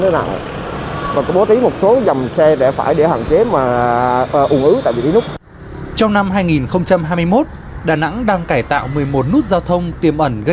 đà nẵng đang cải tạo một mươi một nút giao thông tiêm ẩn nguy cơ giao thông để phân tách làn xe đảm bảo lưu thông